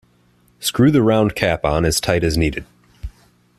Screw the round cap on as tight as needed.